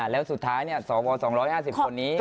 แล้วสุดท้ายสว๒๕๐คนนี้